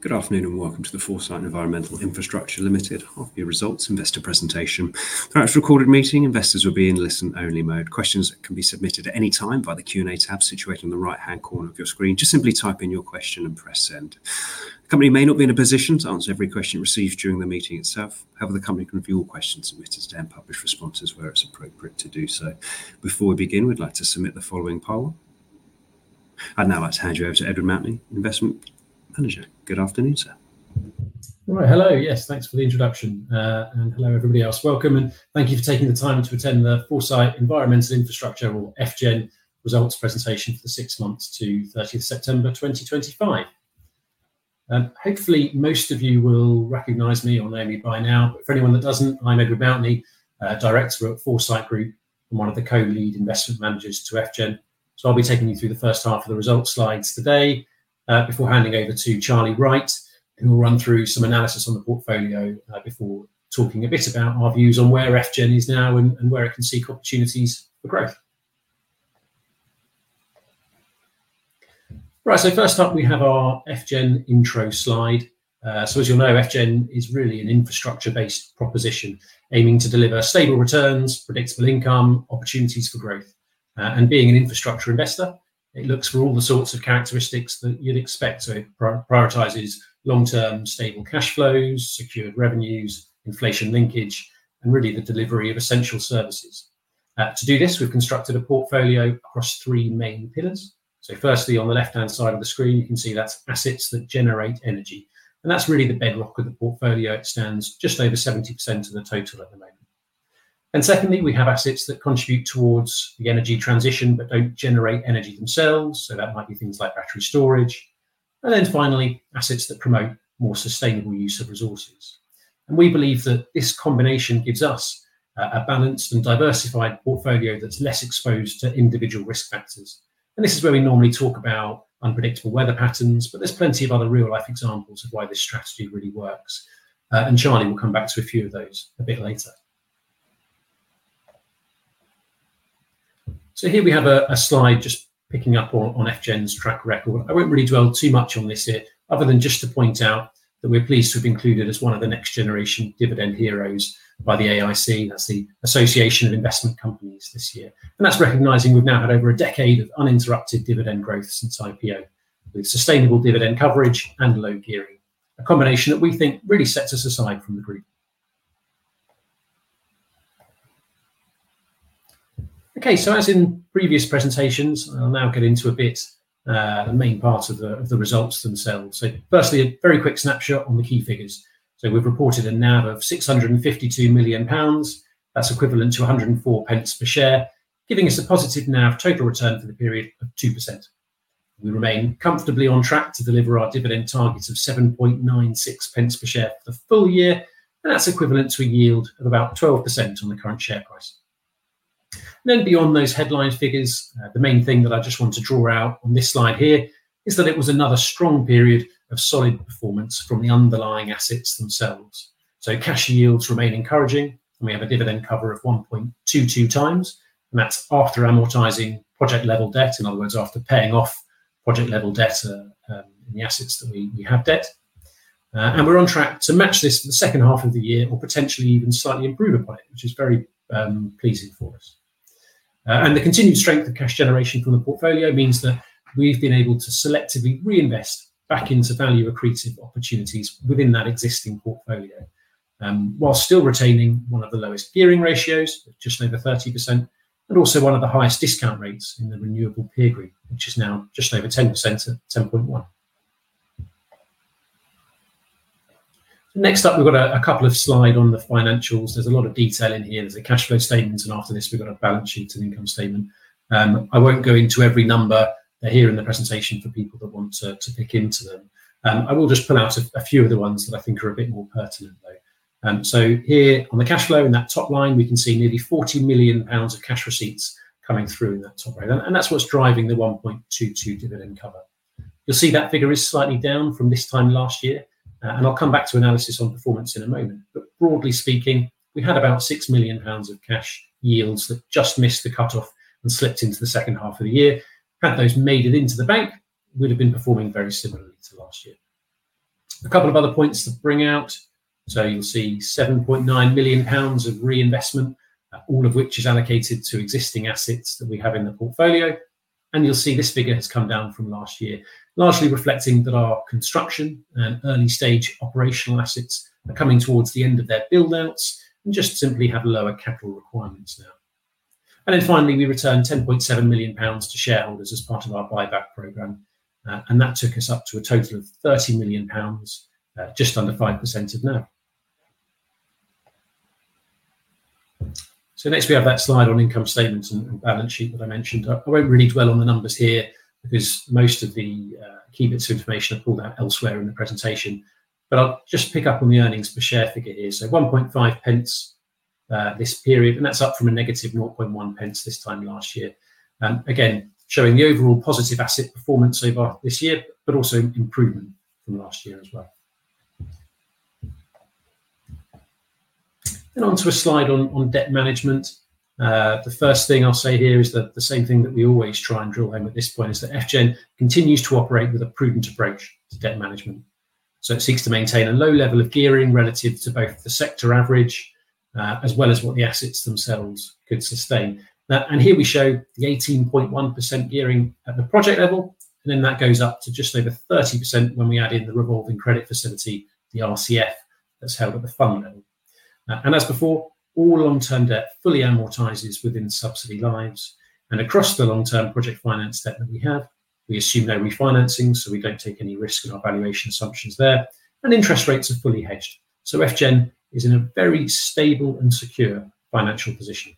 Good afternoon and welcome to the Foresight Environmental Infrastructure Limited after your results investor presentation. Throughout this recorded meeting, investors will be in listen-only mode. Questions can be submitted at any time via the Q&A tab situated on the right-hand corner of your screen. Just simply type in your question and press send. The company may not be in a position to answer every question received during the meeting itself. However, the company can review all questions submitted to them and publish responses where it's appropriate to do so. Before we begin, we'd like to submit the following poll. Now let's hand you over to Ed Mountney, Investment Manager. Good afternoon, sir. All right. Hello. Yes, thanks for the introduction. Hello, everybody else. Welcome, and thank you for taking the time to attend the Foresight Environmental Infrastructure, or FGEN, results presentation for the six months to 30th September 2025. Hopefully, most of you will recognize me or know me by now. For anyone that does not, I'm Ed Mountney, Director at Foresight Group and one of the co-lead investment managers to FGEN. I'll be taking you through the first half of the results slides today before handing over to Charlie Wright, who will run through some analysis on the portfolio before talking a bit about our views on where FGEN is now and where it can seek opportunities for growth. Right, first up, we have our FGEN intro slide. As you'll know, FGEN is really an infrastructure-based proposition aiming to deliver stable returns, predictable income, opportunities for growth. Being an infrastructure investor, it looks for all the sorts of characteristics that you'd expect. It prioritizes long-term stable cash flows, secured revenues, inflation linkage, and really the delivery of essential services. To do this, we've constructed a portfolio across three main pillars. Firstly, on the left-hand side of the screen, you can see that's assets that generate energy. That's really the bedrock of the portfolio. It stands just over 70% of the total at the moment. Secondly, we have assets that contribute towards the energy transition but do not generate energy themselves. That might be things like battery storage. Finally, assets that promote more sustainable use of resources. We believe that this combination gives us a balanced and diversified portfolio that's less exposed to individual risk factors. This is where we normally talk about unpredictable weather patterns, but there are plenty of other real-life examples of why this strategy really works. Charlie will come back to a few of those a bit later. Here we have a slide just picking up on FGEN's track record. I will not really dwell too much on this here, other than just to point out that we are pleased to have been included as one of the next-generation dividend heroes by The AIC, the Association of Investment Companies, this year. That is recognizing we have now had over a decade of uninterrupted dividend growth since IPO with sustainable dividend coverage and low gearing, a combination that we think really sets us aside from the group. As in previous presentations, I will now get into a bit the main part of the results themselves. Firstly, a very quick snapshot on the key figures. We have reported a NAV of 652 million pounds. That is equivalent to 1.04 per share, giving us a positive NAV total return for the period of 2%. We remain comfortably on track to deliver our dividend targets of 0.0796 per share for the full year. That is equivalent to a yield of about 12% on the current share price. Beyond those headline figures, the main thing that I just want to draw out on this slide here is that it was another strong period of solid performance from the underlying assets themselves. Cash yields remain encouraging, and we have a dividend cover of 1.22 times. That is after amortizing project-level debt, in other words, after paying off project-level debt in the assets that we have debt. We are on track to match this for the second half of the year or potentially even slightly improve upon it, which is very pleasing for us. The continued strength of cash generation from the portfolio means that we have been able to selectively reinvest back into value-accretive opportunities within that existing portfolio, while still retaining one of the lowest gearing ratios, just over 30%, and also one of the highest discount rates in the renewable peer group, which is now just over 10% at 10.1%. Next up, we have a couple of slides on the financials. There is a lot of detail in here. There is a cash flow statement. After this, we have a balance sheet and income statement. I will not go into every number here in the presentation for people that want to pick into them. I will just pull out a few of the ones that I think are a bit more pertinent, though. Here on the cash flow, in that top line, we can see nearly 40 million pounds of cash receipts coming through in that top line. That is what is driving the 1.22 dividend cover. You will see that figure is slightly down from this time last year. I will come back to analysis on performance in a moment. Broadly speaking, we had about 6 million pounds of cash yields that just missed the cutoff and slipped into the second half of the year. Had those made it into the bank, we would have been performing very similarly to last year. A couple of other points to bring out. You will see 7.9 million pounds of reinvestment, all of which is allocated to existing assets that we have in the portfolio. You will see this figure has come down from last year, largely reflecting that our construction and early-stage operational assets are coming towards the end of their build-outs and just simply have lower capital requirements now. Finally, we returned 10.7 million pounds to shareholders as part of our buyback program. That took us up to a total of 30 million pounds, just under 5% of NAV. Next, we have that slide on income statements and balance sheet that I mentioned. I will not really dwell on the numbers here because most of the key bits of information are pulled out elsewhere in the presentation. I will just pick up on the earnings per share figure here. 0.15 this period, and that is up from a negative 0.1 this time last year. Again, showing the overall positive asset performance over this year, but also improvement from last year as well. On to a slide on debt management. The first thing I'll say here is that the same thing that we always try and drill home at this point is that FGEN continues to operate with a prudent approach to debt management. It seeks to maintain a low level of gearing relative to both the sector average as well as what the assets themselves could sustain. Here we show the 18.1% gearing at the project level. That goes up to just over 30% when we add in the Revolving Credit Facility, the RCF, that's held at the fund level. As before, all long-term debt fully amortizes within subsidy lines. Across the long-term project finance statement we have, we assume no refinancing, so we do not take any risk in our valuation assumptions there. Interest rates are fully hedged. FGEN is in a very stable and secure financial position.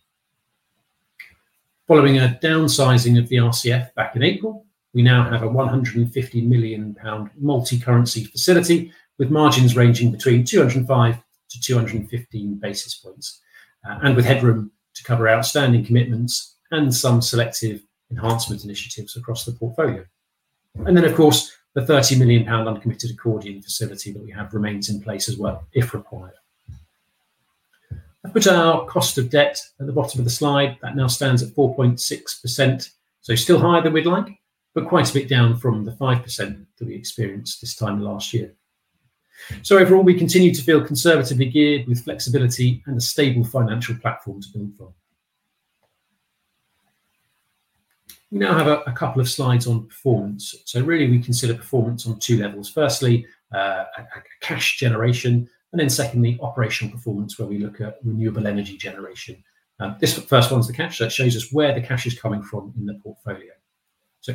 Following a downsizing of the RCF back in April, we now have a 150 million pound multi-currency facility with margins ranging between 205-215 basis points and with headroom to cover outstanding commitments and some selective enhancement initiatives across the portfolio. Of course, the 30 million pound uncommitted accordion facility that we have remains in place as well, if required. I have put our cost of debt at the bottom of the slide. That now stands at 4.6%. Still higher than we would like, but quite a bit down from the 5% that we experienced this time last year. Overall, we continue to feel conservatively geared with flexibility and a stable financial platform to build from. We now have a couple of slides on performance. We consider performance on two levels. Firstly, cash generation. Then secondly, operational performance, where we look at renewable energy generation. This first one is the cash. That shows us where the cash is coming from in the portfolio.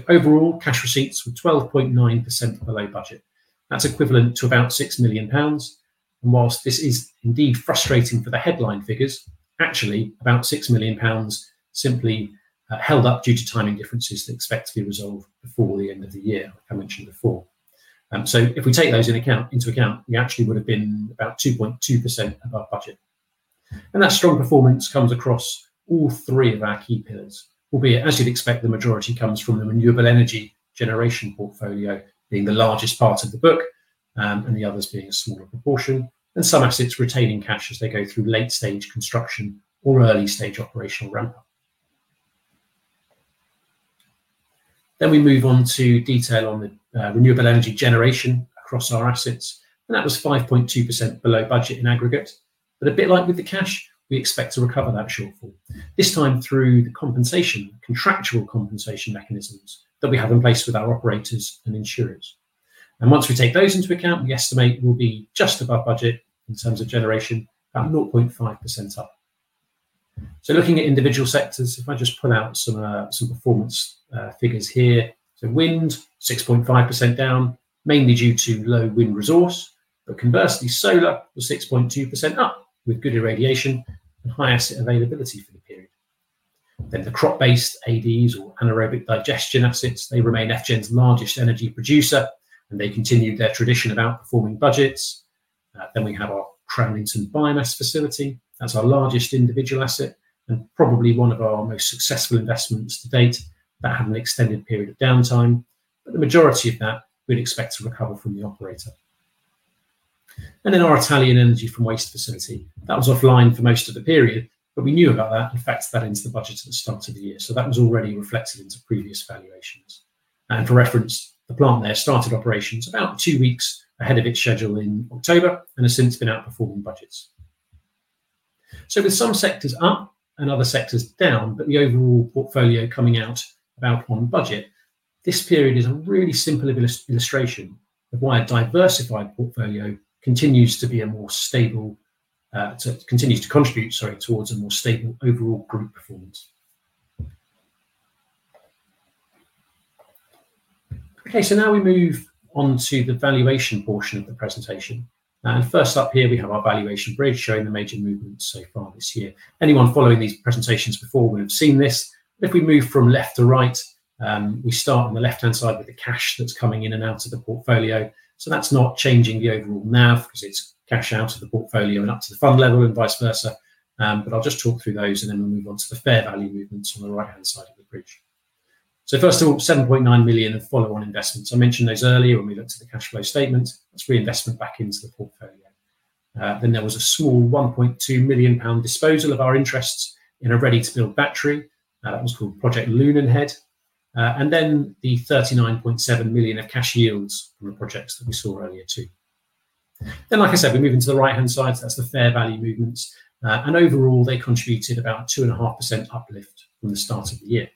Overall, cash receipts were 12.9% below budget. That is equivalent to about 6 million pounds. Whilst this is indeed frustrating for the headline figures, actually about 6 million pounds is simply held up due to timing differences expected to be resolved before the end of the year, like I mentioned before. If we take those into account, we actually would have been about 2.2% off our budget. That strong performance comes across all three of our key pillars, albeit, as you'd expect, the majority comes from the renewable energy generation portfolio, being the largest part of the book and the others being a smaller proportion, and some assets retaining cash as they go through late-stage construction or early-stage operational ramp-up. We move on to detail on the renewable energy generation across our assets. That was 5.2% below budget in aggregate. A bit like with the cash, we expect to recover that shortfall, this time through the contractual compensation mechanisms that we have in place with our operators and insurers. Once we take those into account, we estimate we'll be just above budget in terms of generation, about 0.5% up. Looking at individual sectors, if I just pull out some performance figures here. Wind, 6.5% down, mainly due to low wind resource. Conversely, solar was 6.2% up with good irradiation and high asset availability for the period. The crop-based ADs, or Anaerobic Digestion assets, remain FGEN's largest energy producer, and they continue their tradition of outperforming budgets. Our Cramlington Biomass facility is our largest individual asset and probably one of our most successful investments to date. That had an extended period of downtime. The majority of that, we would expect to recover from the operator. Our Italian energy from waste facility was offline for most of the period, but we knew about that. In fact, that entered the budget at the start of the year, so that was already reflected into previous valuations. For reference, the plant there started operations about two weeks ahead of its schedule in October and has since been outperforming budgets. With some sectors up and other sectors down, but the overall portfolio coming out about on budget, this period is a really simple illustration of why a diversified portfolio continues to be more stable to continue to contribute, sorry, towards a more stable overall group performance. Okay, now we move on to the valuation portion of the presentation. First up here, we have our valuation bridge showing the major movements so far this year. Anyone following these presentations before will have seen this. If we move from left to right, we start on the left-hand side with the cash that is coming in and out of the portfolio. That's not changing the overall NAV because it's cash out of the portfolio and up to the fund level and vice versa. I'll just talk through those, and then we'll move on to the fair value movements on the right-hand side of the bridge. First of all, 7.9 million of follow-on investments. I mentioned those earlier. When we looked at the cash flow statement, that's reinvestment back into the portfolio. There was a small 1.2 million pound disposal of our interests in a ready-to-build battery. That was called Project Lunanhead. The 39.7 million of cash yields from the projects that we saw earlier too. Like I said, we move into the right-hand side. That's the fair value movements. Overall, they contributed about 2.5% uplift from the start of the year.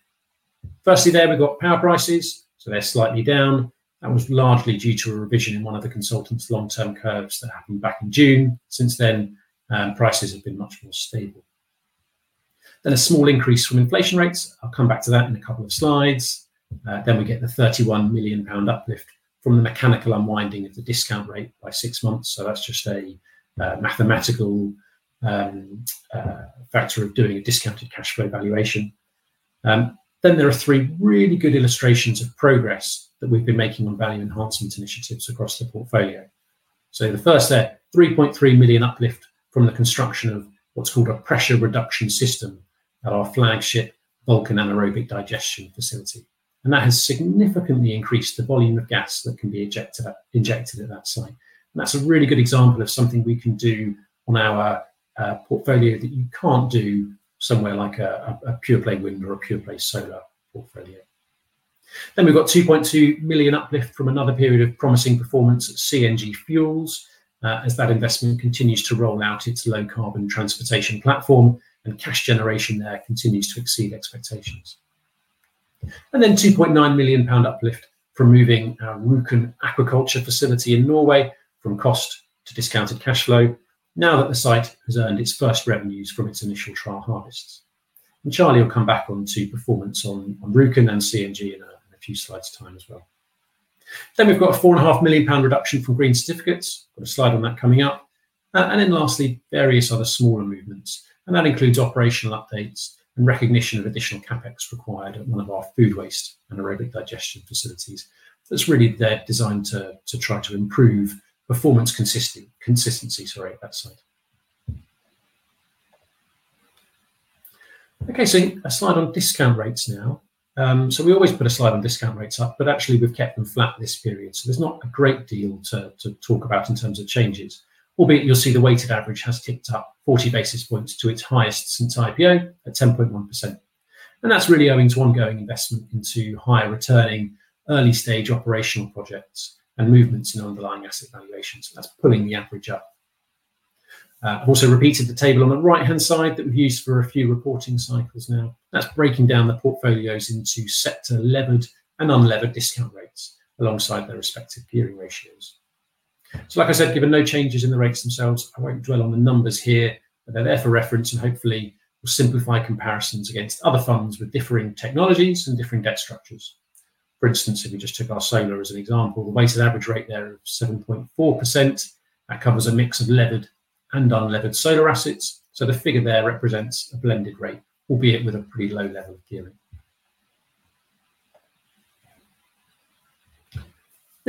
Firstly, there we've got power prices. They're slightly down. That was largely due to a revision in one of the consultants' long-term curves that happened back in June. Since then, prices have been much more stable. A small increase from inflation rates. I'll come back to that in a couple of slides. We get the 31 million pound uplift from the mechanical unwinding of the discount rate by six months. That is just a mathematical factor of doing a discounted cash flow valuation. There are three really good illustrations of progress that we have been making on value enhancement initiatives across the portfolio. The first there, 3.3 million uplift from the construction of what is called a pressure reduction system at our flagship Vulcan Anaerobic Digestion facility. That has significantly increased the volume of gas that can be injected at that site. That is a really good example of something we can do on our portfolio that you cannot do somewhere like a pure-play Wind or a pure-play Solar portfolio. We have 2.2 million uplift from another period of promising performance at CNG Fuels as that investment continues to roll out its low-carbon transportation platform and cash generation there continues to exceed expectations. We also have GBP 2.9 million uplift from moving our Rjukan agriculture facility in Norway from cost to discounted cash flow now that the site has earned its first revenues from its initial trial harvests. Charlie will come back on to performance on Rjukan and CNG in a few slides' time as well. We have a 4.5 million pound reduction from green certificates. We have a slide on that coming up. Lastly, there are various other smaller movements. That includes operational updates and recognition of additional CapEx required at one of our food waste and Anaerobic Digestion facilities. That is really there designed to try to improve performance consistency at that site. A slide on discount rates now. We always put a slide on discount rates up, but actually we have kept them flat this period. There is not a great deal to talk about in terms of changes, albeit you will see the weighted average has ticked up 40 basis points to its highest since IPO at 10.1%. That is really owing to ongoing investment into higher returning early-stage operational projects and movements in underlying asset valuations. That is pulling the average up. I have also repeated the table on the right-hand side that we have used for a few reporting cycles now. That is breaking down the portfolios into sector-levered and unlevered discount rates alongside their respective gearing ratios. Like I said, given no changes in the rates themselves, I will not dwell on the numbers here, but they are there for reference and hopefully will simplify comparisons against other funds with differing technologies and differing debt structures. For instance, if we just took our Solar as an example, the weighted average rate there of 7.4% covers a mix of levered and unlevered Solar assets. The figure there represents a blended rate, albeit with a pretty low level of gearing.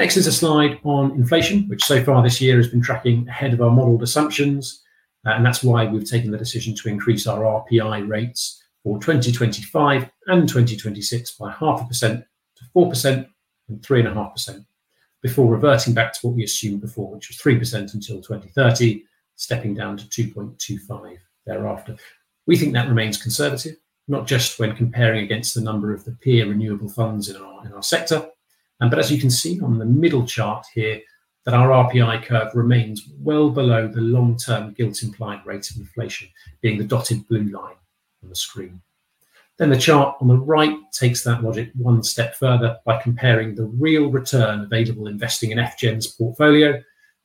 Next is a slide on inflation, which so far this year has been tracking ahead of our modeled assumptions. That is why we have taken the decision to increase our RPI rates for 2025 and 2026 by 0.5%-4% and 3.5% before reverting back to what we assumed before, which was 3% until 2030, stepping down to 2.25% thereafter. We think that remains conservative, not just when comparing against the number of the peer renewable funds in our sector. As you can see on the middle chart here, our RPI curve remains well below the long-term gilt-implied rate of inflation, being the dotted blue line on the screen. The chart on the right takes that logic one step further by comparing the real return available investing in FGEN's portfolio,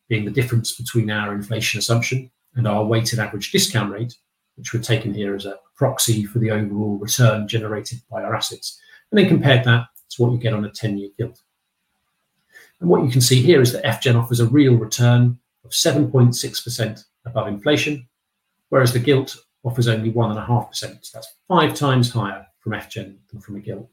being the difference between our inflation assumption and our weighted average discount rate, which we've taken here as a proxy for the overall return generated by our assets. That is then compared to what you get on a 10-year gilt. What you can see here is that FGEN offers a real return of 7.6% above inflation, whereas the gilt offers only 1.5%. That's five times higher from FGEN than from a gilt.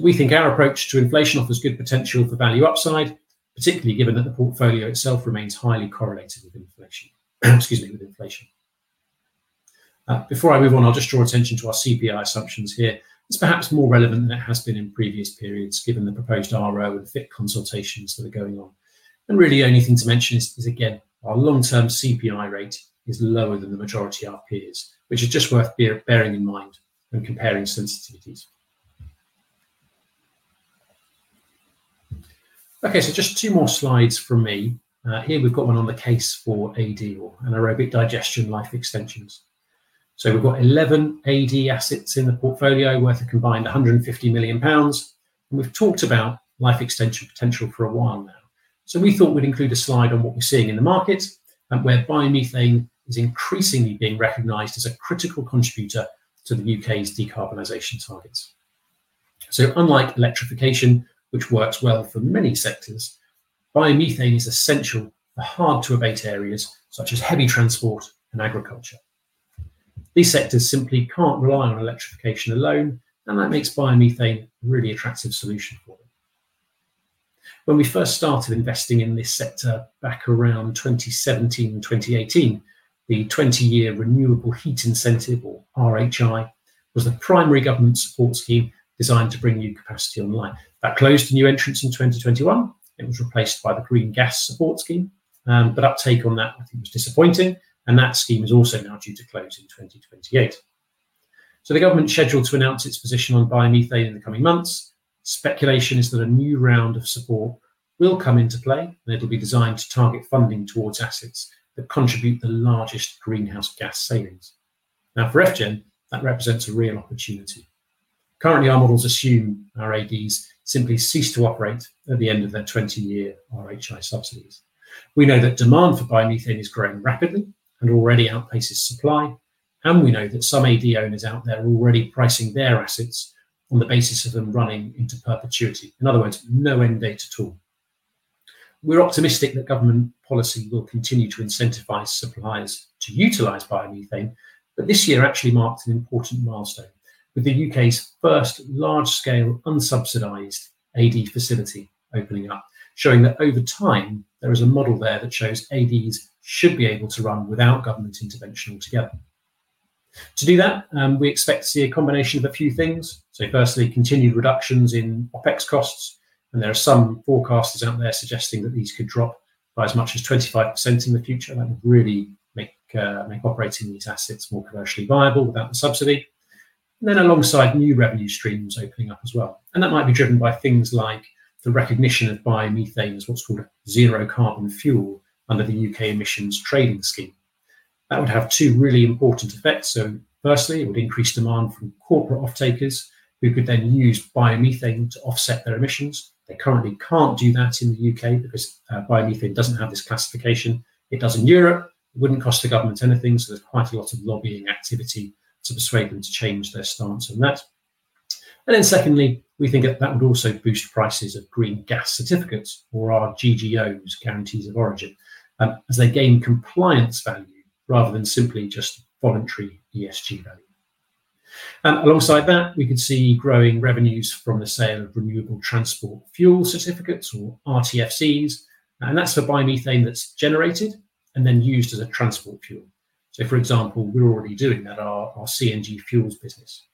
We think our approach to inflation offers good potential for value upside, particularly given that the portfolio itself remains highly correlated with inflation. Excuse me, with inflation. Before I move on, I'll just draw attention to our CPI assumptions here. It's perhaps more relevant than it has been in previous periods, given the proposed RO and FiT Consultations that are going on. Really, the only thing to mention is, again, our long-term CPI rate is lower than the majority of our peers, which is just worth bearing in mind when comparing sensitivities. Okay, just two more slides from me. Here we've got one on the case for AD or Anaerobic Digestion life extensions. We've got 11 AD assets in the portfolio worth a combined 150 million pounds. We've talked about life extension potential for a while now. We thought we'd include a slide on what we're seeing in the markets and where biomethane is increasingly being recognized as a critical contributor to the U.K.'s decarbonization targets. Unlike electrification, which works well for many sectors, biomethane is essential for hard-to-abate areas such as heavy transport and agriculture. These sectors simply can't rely on electrification alone, and that makes biomethane a really attractive solution for them. When we first started investing in this sector back around 2017, 2018, the 20-year Renewable Heat Incentive, or RHI, was the primary government support scheme designed to bring new capacity online. That closed to new entrants in 2021. It was replaced by the green gas support scheme. Uptake on that, I think, was disappointing. That scheme is also now due to close in 2028. The government's scheduled to announce its position on biomethane in the coming months. Speculation is that a new round of support will come into play, and it'll be designed to target funding towards assets that contribute the largest greenhouse gas savings. Now, for FGEN, that represents a real opportunity. Currently, our models assume our ADs simply cease to operate at the end of their 20-year RHI subsidies. We know that demand for biomethane is growing rapidly and already outpaces supply. We know that some AD owners out there are already pricing their assets on the basis of them running into perpetuity. In other words, no end date at all. We're optimistic that government policy will continue to incentivize suppliers to utilize biomethane. This year actually marked an important milestone with the U.K.'s first large-scale unsubsidized AD facility opening up, showing that over time, there is a model there that shows ADs should be able to run without government intervention altogether. To do that, we expect to see a combination of a few things. Firstly, continued reductions in OpEx costs. There are some forecasters out there suggesting that these could drop by as much as 25% in the future. That would really make operating these assets more commercially viable without the subsidy. Alongside that, new revenue streams could open up as well. That might be driven by things like the recognition of biomethane as what is called a zero carbon fuel under the UK Emissions Trading Scheme. That would have two really important effects. Firstly, it would increase demand from corporate off-takers who could then use biomethane to offset their emissions. They currently cannot do that in the U.K. because biomethane does not have this classification. It does in Europe. It would not cost the government anything. There is quite a lot of lobbying activity to persuade them to change their stance on that. Secondly, we think that would also boost prices of Green Gas Certificates, or our GGOs, guarantees of origin, as they gain compliance value rather than simply just voluntary ESG value. Alongside that, we could see growing revenues from the sale of Renewable Transport Fuel Certificates, or RTFCs. That is for biomethane that is generated and then used as a transport fuel. For example, we are already doing that, our CNG Fuels business.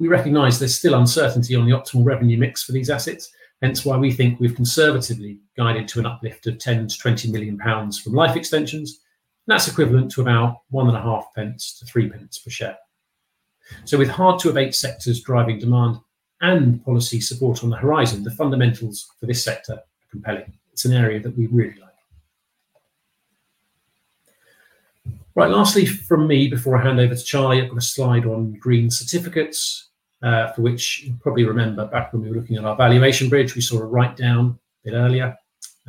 We recognize there is still uncertainty on the optimal revenue mix for these assets, which is why we think we have conservatively guided to an uplift of 10 million-20 million pounds from life extensions. That is equivalent to about 1.5-3 per share. With hard-to-abate sectors driving demand and policy support on the horizon, the fundamentals for this sector are compelling. It is an area that we really like. Lastly from me, before I hand over to Charlie, I have got a slide on green certificates, for which you probably remember back when we were looking at our valuation bridge, we saw a write-down a bit earlier.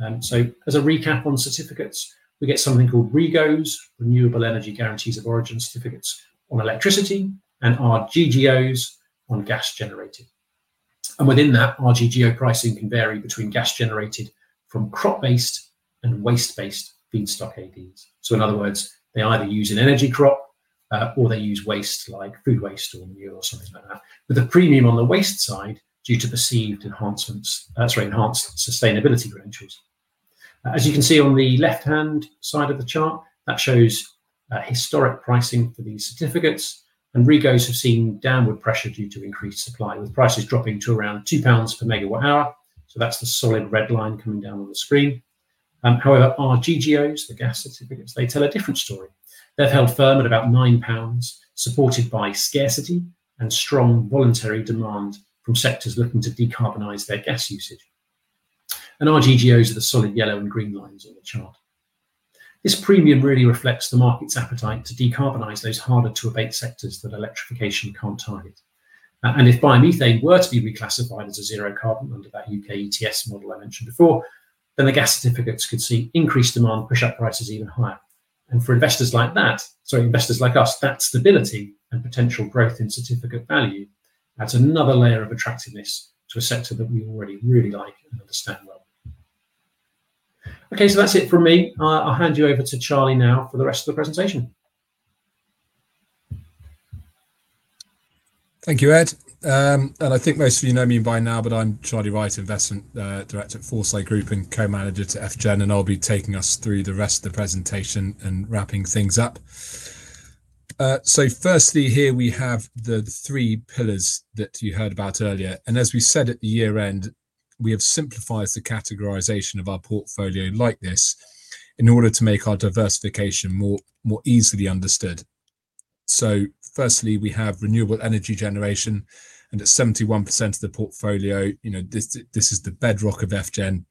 As a recap on certificates, we get something called REGOs, Renewable Energy Guarantees of Origin certificates on electricity, and our GGOs on gas generated. Within that, our GGO pricing can vary between gas generated from crop-based and waste-based feedstock ADs. In other words, they either use an energy crop or they use waste like food waste or manure or something like that. There is a premium on the waste side due to perceived enhanced sustainability credentials. As you can see on the left-hand side of the chart, that shows historic pricing for these certificates. REGOs have seen downward pressure due to increased supply, with prices dropping to around 2 pounds per MWh. That is the solid red line coming down on the screen. However, our GGOs, the gas certificates, they tell a different story. They have held firm at about 9 pounds, supported by scarcity and strong voluntary demand from sectors looking to decarbonize their gas usage. Our GGOs are the solid yellow and green lines on the chart. This premium really reflects the market's appetite to decarbonize those harder-to-abate sectors that electrification cannot target. If biomethane were to be reclassified as zero carbon under that U.K. ETS model I mentioned before, the gas certificates could see increased demand push up prices even higher. For investors like us, that stability and potential growth in certificate value adds another layer of attractiveness to a sector that we already really like and understand well. Okay, that is it from me. I will hand you over to Charlie now for the rest of the presentation. Thank you, Ed. I think most of you know me by now, but I am Charlie Wright, Investment Director at Foresight Group and co-manager to FGEN. I will be taking us through the rest of the presentation and wrapping things up. Firstly here, we have the three pillars that you heard about earlier. As we said at the year end, we have simplified the categorization of our portfolio like this in order to make our diversification more easily understood. Firstly, we have renewable energy generation. At 71% of the portfolio, this is the bedrock of FGEN.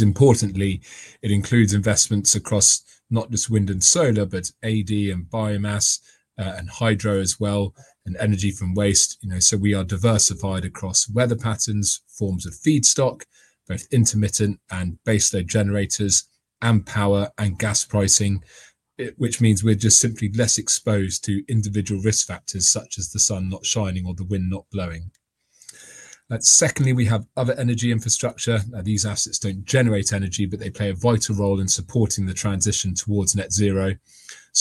Importantly, it includes investments across not just wind and solar, but AD and biomass and hydro as well, and energy from waste. We are diversified across weather patterns, forms of feedstock, both intermittent and baseload generators, and power and gas pricing, which means we are just simply less exposed to individual risk factors such as the sun not shining or the wind not blowing. Secondly, we have other energy infrastructure. These assets do not generate energy, but they play a vital role in supporting the transition towards net zero.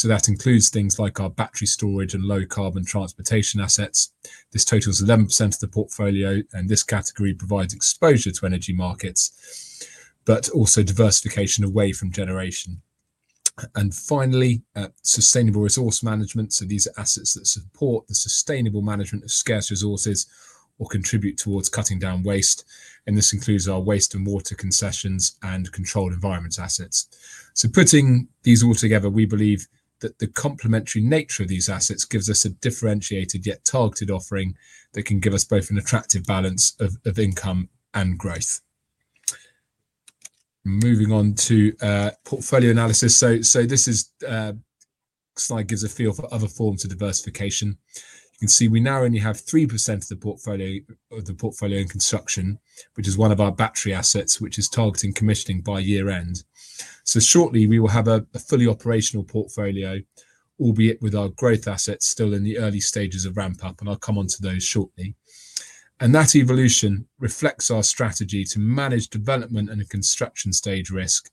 That includes things like our battery storage and low-carbon transportation assets. This totals 11% of the portfolio. This category provides exposure to energy markets, but also diversification away from generation. Finally, sustainable resource management. These are assets that support the sustainable management of scarce resources or contribute towards cutting down waste. This includes our waste and water concessions and controlled environments assets. Putting these all together, we believe that the complementary nature of these assets gives us a differentiated yet targeted offering that can give us both an attractive balance of income and growth. Moving on to portfolio analysis. This slide gives a feel for other forms of diversification. You can see we now only have 3% of the portfolio in construction, which is one of our battery assets, which is targeting commissioning by year-end. Shortly, we will have a fully operational portfolio, albeit with our growth assets still in the early stages of ramp-up. I will come on to those shortly. That evolution reflects our strategy to manage development and construction stage risk,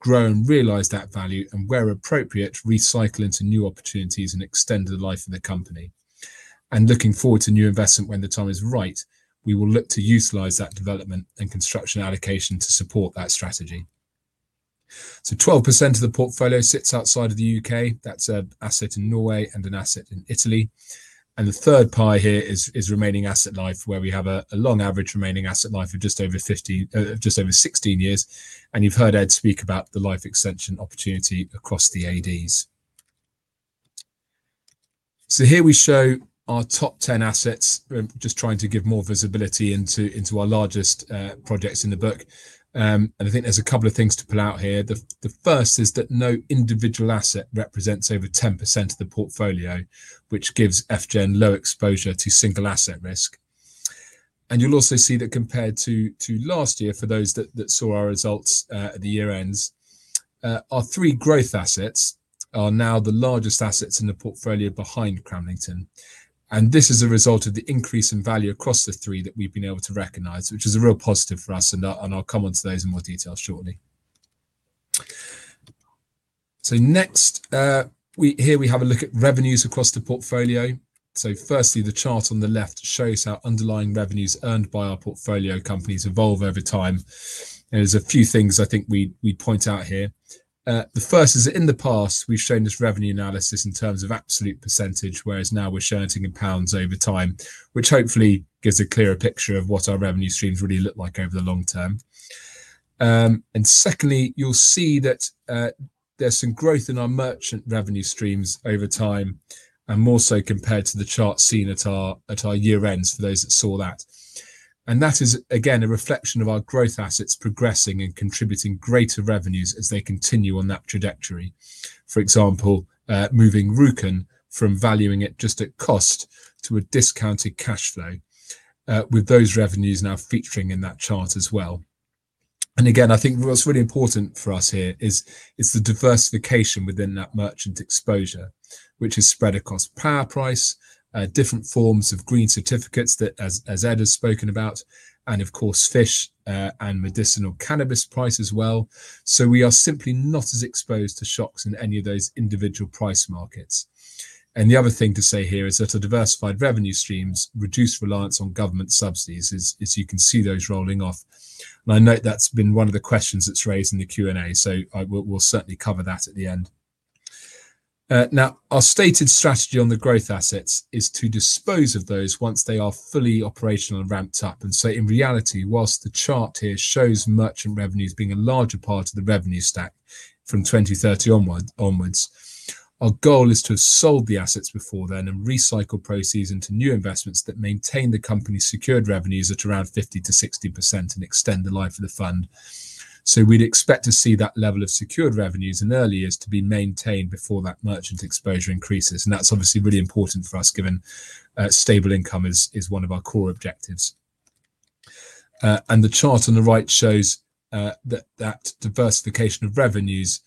grow and realize that value, and where appropriate, recycle into new opportunities and extend the life of the company. Looking forward to new investment when the time is right, we will look to utilize that development and construction allocation to support that strategy. 12% of the portfolio sits outside of the U.K. That is an asset in Norway and an asset in Italy. The third pie here is remaining asset life, where we have a long average remaining asset life of just over 16 years. You have heard Ed speak about the life extension opportunity across the ADs. Here we show our top 10 assets, just trying to give more visibility into our largest projects in the book. I think there are a couple of things to pull out here. The first is that no individual asset represents over 10% of the portfolio, which gives FGEN low exposure to single asset risk. You will also see that compared to last year, for those that saw our results at the year-end, our three growth assets are now the largest assets in the portfolio behind Cramlington. This is a result of the increase in value across the three that we have been able to recognize, which is a real positive for us. I will come on to those in more detail shortly. Next, here we have a look at revenues across the portfolio. Firstly, the chart on the left shows how underlying revenues earned by our portfolio companies evolve over time. There are a few things I think we point out here. The first is that in the past, we've shown this revenue analysis in terms of absolute percentage, whereas now we're shifting in pounds over time, which hopefully gives a clearer picture of what our revenue streams really look like over the long term. Secondly, you'll see that there's some growth in our merchant revenue streams over time, and more so compared to the chart seen at our year-end for those that saw that. That is, again, a reflection of our growth assets progressing and contributing greater revenues as they continue on that trajectory. For example, moving Rjukan from valuing it just at cost to a discounted cash flow, with those revenues now featuring in that chart as well. I think what is really important for us here is the diversification within that merchant exposure, which is spread across power price, different forms of green certificates that, as Ed has spoken about, and of course, fish and medicinal cannabis price as well. We are simply not as exposed to shocks in any of those individual price markets. The other thing to say here is that our diversified revenue streams reduce reliance on government subsidies, as you can see those rolling off. I note that has been one of the questions that is raised in the Q&A. We will certainly cover that at the end. Our stated strategy on the growth assets is to dispose of those once they are fully operational and ramped up. In reality, whilst the chart here shows merchant revenues being a larger part of the revenue stack from 2030 onwards, our goal is to have sold the assets before then and recycle proceeds into new investments that maintain the company's secured revenues at around 50%-60% and extend the life of the fund. We would expect to see that level of secured revenues in earlier years to be maintained before that merchant exposure increases. That is obviously really important for us, given stable income is one of our core objectives. The chart on the right shows that diversification of revenues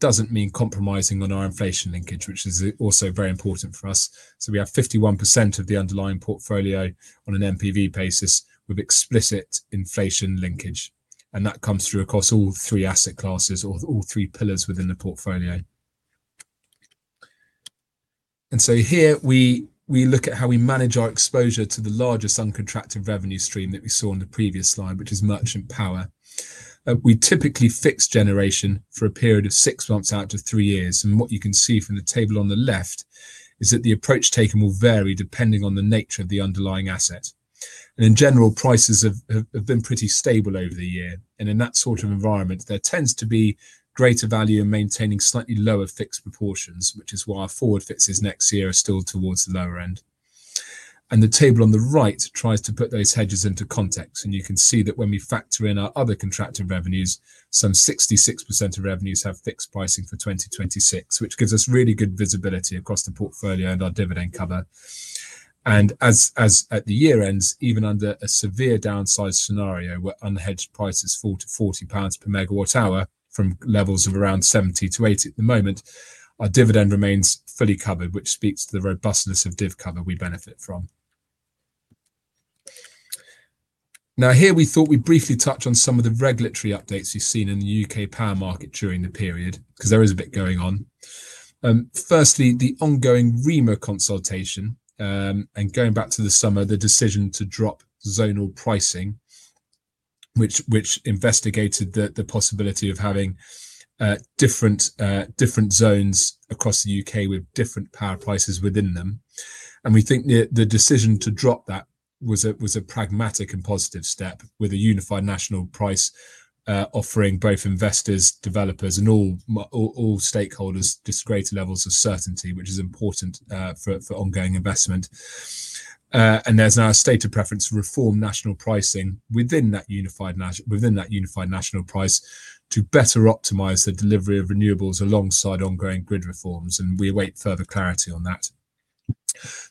does not mean compromising on our inflation linkage, which is also very important for us. We have 51% of the underlying portfolio on an NPV basis with explicit inflation linkage. That comes through across all three asset classes or all three pillars within the portfolio. Here, we look at how we manage our exposure to the largest uncontracted revenue stream that we saw on the previous slide, which is merchant power. We typically fix generation for a period of six months out to three years. What you can see from the table on the left is that the approach taken will vary depending on the nature of the underlying asset. In general, prices have been pretty stable over the year. In that sort of environment, there tends to be greater value in maintaining slightly lower fixed proportions, which is why our forward fixes next year are still towards the lower end. The table on the right tries to put those hedges into context. You can see that when we factor in our other contractive revenues, some 66% of revenues have fixed pricing for 2026, which gives us really good visibility across the portfolio and our dividend cover. As at the year-end, even under a severe downside scenario where unhedged prices fall to 40 pounds per MWh from levels of around 70-80 at the moment, our dividend remains fully covered, which speaks to the robustness of div cover we benefit from. Here we thought we would briefly touch on some of the regulatory updates you have seen in the U.K. power market during the period, because there is a bit going on. Firstly, the ongoing REMA consultation and going back to the summer, the decision to drop zonal pricing, which investigated the possibility of having different zones across the U.K. with different power prices within them. We think the decision to drop that was a pragmatic and positive step with a unified national price offering both investors, developers, and all stakeholders just greater levels of certainty, which is important for ongoing investment. There is now a stated preference to reform national pricing within that unified national price to better optimize the delivery of renewables alongside ongoing grid reforms. We await further clarity on that.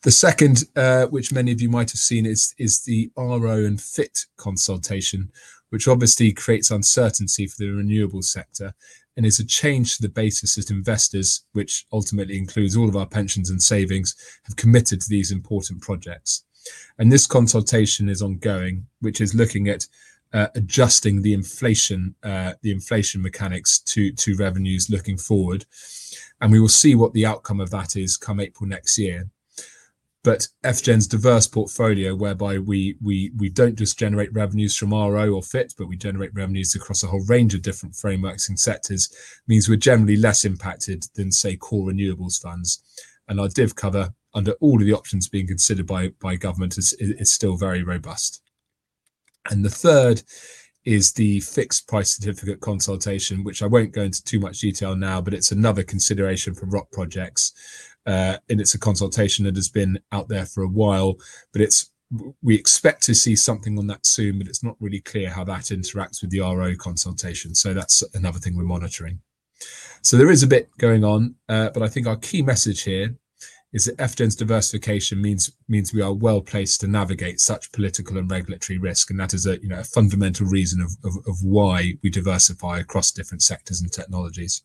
The second, which many of you might have seen, is the RO and FiT Consultations, which obviously creates uncertainty for the renewable sector and is a change to the basis as investors, which ultimately includes all of our pensions and savings, have committed to these important projects. This consultation is ongoing, which is looking at adjusting the inflation mechanics to revenues looking forward. We will see what the outcome of that is come April next year. FGEN's diverse portfolio, whereby we do not just generate revenues from RO or FiT, but we generate revenues across a whole range of different frameworks and sectors, means we are generally less impacted than, say, core renewables funds. Our div cover under all of the options being considered by government is still very robust. The third is the fixed price certificate consultation, which I will not go into too much detail now, but it is another consideration for ROC projects. It is a consultation that has been out there for a while, but we expect to see something on that soon, but it is not really clear how that interacts with the RO consultation. That is another thing we are monitoring. There is a bit going on, but I think our key message here is that FGEN's diversification means we are well placed to navigate such political and regulatory risk. That is a fundamental reason of why we diversify across different sectors and technologies.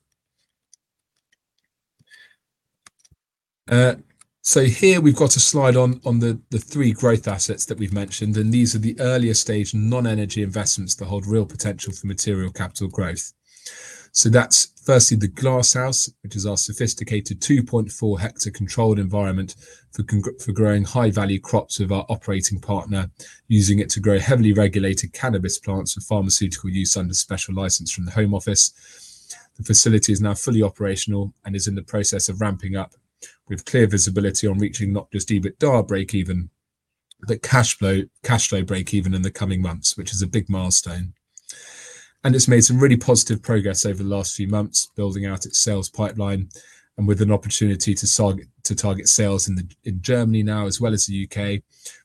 Here, we've got a slide on the three growth assets that we've mentioned. These are the earlier stage non-energy investments that hold real potential for material capital growth. That's firstly the Glasshouse, which is our sophisticated 2.4-hectare controlled environment for growing high-value crops with our operating partner, using it to grow heavily regulated cannabis plants for pharmaceutical use under special license from the Home Office. The facility is now fully operational and is in the process of ramping up with clear visibility on reaching not just EBITDA break-even, but cash flow break-even in the coming months, which is a big milestone. It has made some really positive progress over the last few months, building out its sales pipeline and with an opportunity to target sales in Germany now, as well as the U.K.,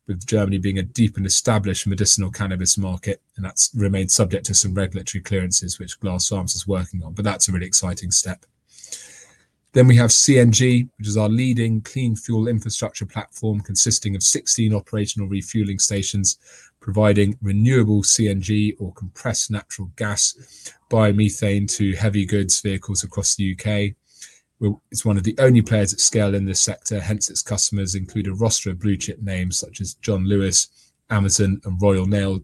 with Germany being a deep and established medicinal cannabis market. That has remained subject to some regulatory clearances, which Glasshouse is working on. That is a really exciting step. We have CNG, which is our leading clean fuel infrastructure platform consisting of 16 operational refueling stations, providing renewable CNG or compressed natural gas, biomethane to heavy goods vehicles across the U.K. It is one of the only players at scale in this sector. Hence, its customers include a roster of blue-chip names such as John Lewis, Amazon, and Royal Mail,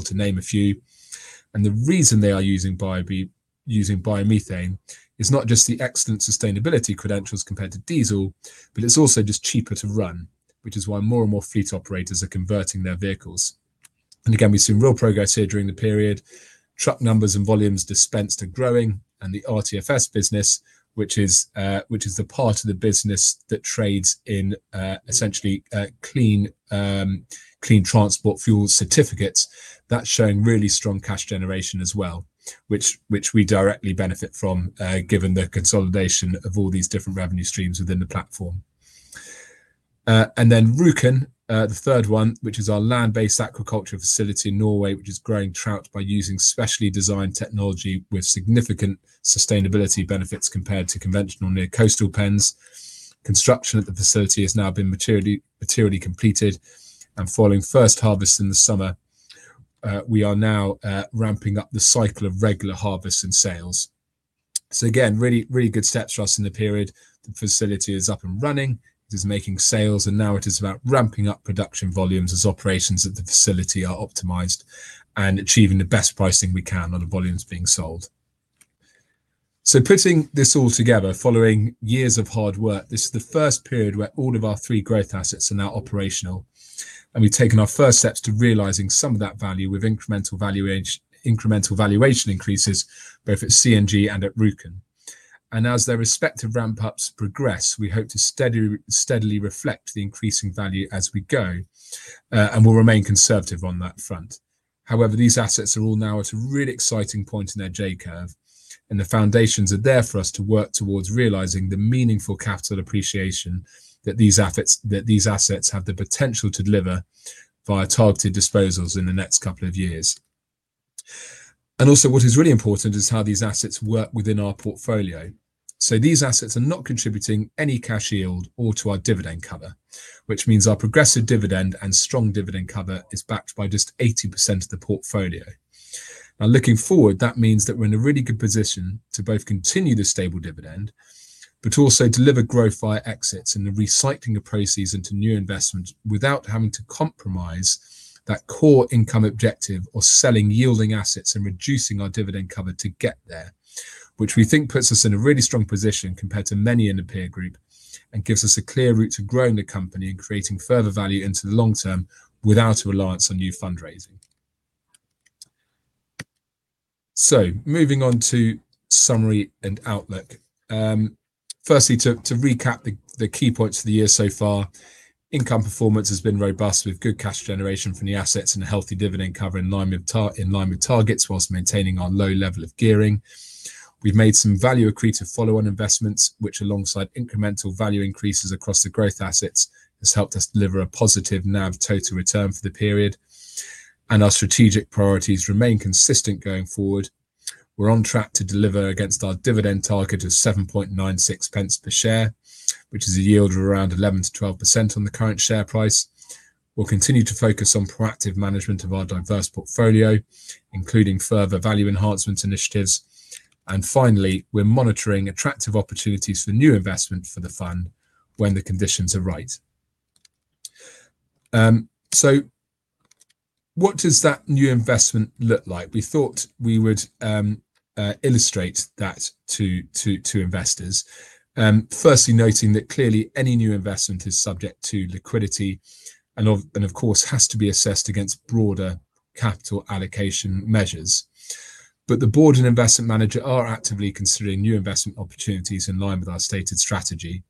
to name a few. The reason they are using biomethane is not just the excellent sustainability credentials compared to diesel, but it is also just cheaper to run, which is why more and more fleet operators are converting their vehicles. We have seen real progress here during the period. Truck numbers and volumes dispensed are growing. The RTFCs business, which is the part of the business that trades in essentially Clean Transport Fuel Certificates, is showing really strong cash generation as well, which we directly benefit from, given the consolidation of all these different revenue streams within the platform. Rjukan, the third one, which is our land-based agriculture facility in Norway, is growing trout by using specially designed technology with significant sustainability benefits compared to conventional near coastal pens. Construction at the facility has now been materially completed. Following first harvest in the summer, we are now ramping up the cycle of regular harvests and sales. Again, really good steps for us in the period. The facility is up and running. It is making sales. Now it is about ramping up production volumes as operations at the facility are optimized and achieving the best pricing we can on the volumes being sold. Putting this all together, following years of hard work, this is the first period where all of our three growth assets are now operational. We have taken our first steps to realizing some of that value with incremental valuation increases, both at CNG and at Rjukan. As their respective ramp-ups progress, we hope to steadily reflect the increasing value as we go and will remain conservative on that front. However, these assets are all now at a really exciting point in their J-curve. The foundations are there for us to work towards realizing the meaningful capital appreciation that these assets have the potential to deliver via targeted disposals in the next couple of years. Also, what is really important is how these assets work within our portfolio. These assets are not contributing any cash yield or to our dividend cover, which means our progressive dividend and strong dividend cover is backed by just 80% of the portfolio. Now, looking forward, that means that we're in a really good position to both continue the stable dividend, but also deliver growth via exits and the recycling of proceeds into new investments without having to compromise that core income objective of selling yielding assets and reducing our dividend cover to get there, which we think puts us in a really strong position compared to many in the peer group and gives us a clear route to growing the company and creating further value into the long term without a reliance on new fundraising. Moving on to summary and outlook. Firstly, to recap the key points for the year so far, income performance has been robust with good cash generation from the assets and a healthy dividend cover in line with targets whilst maintaining our low level of gearing. We made some value accretive follow-on investments, which alongside incremental value increases across the growth assets has helped us deliver a positive NAV total return for the period. Our strategic priorities remain consistent going forward. We are on track to deliver against our dividend target of 0.0796 per share, which is a yield of around 11%-12% on the current share price. We will continue to focus on proactive management of our diverse portfolio, including further value enhancement initiatives. Finally, we are monitoring attractive opportunities for new investment for the fund when the conditions are right. What does that new investment look like? We thought we would illustrate that to investors, firstly noting that clearly any new investment is subject to liquidity and, of course, has to be assessed against broader capital allocation measures. The board and investment manager are actively considering new investment opportunities in line with our stated strategy,